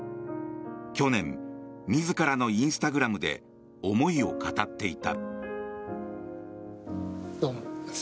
去年、自らのインスタグラムで思いを語っていた。